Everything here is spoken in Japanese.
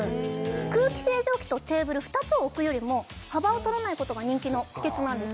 空気清浄機とテーブル２つを置くよりも幅を取らないことが人気の秘けつなんです